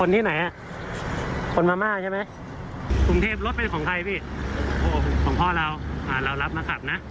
ตลาดต่างน้ำ